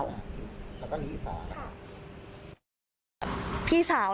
แล้วก็นี่สาว